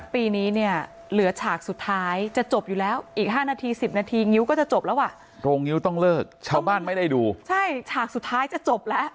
ปีนี้เนี่ยเหลือฉากสุดท้ายจะจบอยู่แล้วอีก๕นาที๑๐นาทีงิ้วก็จะจบแล้วอ่ะโรงนิ้วต้องเลิกชาวบ้านไม่ได้ดูใช่ฉากสุดท้ายจะจบแล้ว